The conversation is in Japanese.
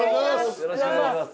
よろしくお願いします。